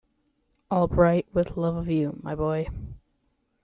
All bright with love of you, my boy.